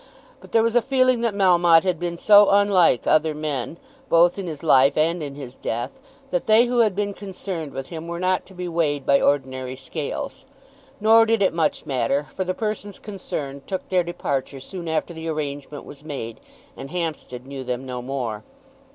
But there was a feeling that Melmotte had been so unlike other men, both in his life and in his death, that they who had been concerned with him were not to be weighed by ordinary scales. Nor did it much matter, for the persons concerned took their departure soon after the arrangement was made, and Hampstead knew them no more.